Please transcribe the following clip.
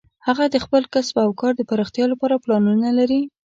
هغه د خپل کسب او کار د پراختیا لپاره پلانونه لري